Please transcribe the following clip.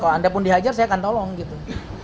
kalau anda pun dihajar saya akan tolong gitu